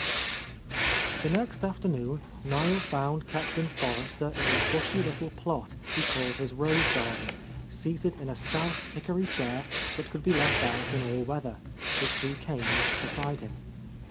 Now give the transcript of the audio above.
II T he next afternoon Niel found Captain Forrester in the bushy little plot he called his rose garden, seated in a stout hickory chair that could be left out in all weather, his two canes beside him.